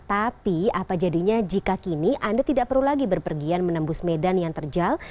tapi apa jadinya jika kini anda tidak perlu lagi berpergian menembus medan yang terjal